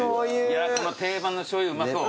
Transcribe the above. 定番のしょうゆうまそう。